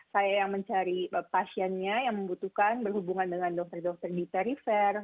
saya yang mencari pasiennya yang membutuhkan berhubungan dengan dokter dokter di perifer